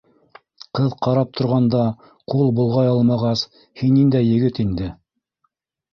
Ҡыҙ ҡарап торғанда ҡул болғай алмағас, һин ниндәй егет инде?